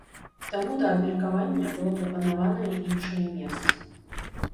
Таму да абмеркавання было прапанаванае іншае месца.